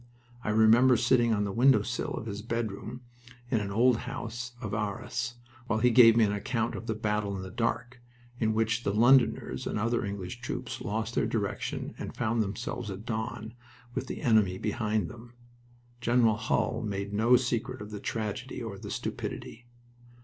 I remember sitting on the window sill of his bedroom, in an old house of Arras, while he gave me an account of "the battle in the dark," in which the Londoners and other English troops lost their direction and found themselves at dawn with the enemy behind them. General Hull made no secret of the tragedy or the stupidity...